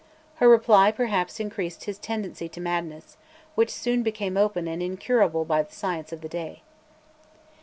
Her reply perhaps increased his tendency to madness, which soon became open and incurable by the science of the day.